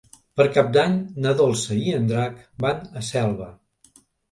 Per Cap d'Any na Dolça i en Drac van a Selva.